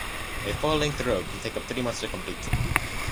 A full length robe can take up to three months to complete.